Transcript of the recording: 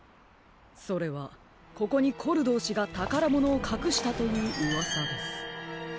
それはここにコルドー氏がたからものをかくしたといううわさです。